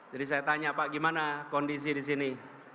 jadi saya tanya pak gimana kondisi di sini